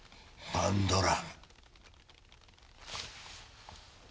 パンドラ。